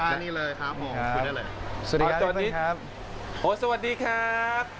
เอาอันนี้เลยครับผมคุยได้เลยสวัสดีครับสวัสดีครับ